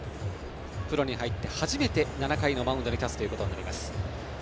プロに入って初めて７回のマウンドに立つことになります。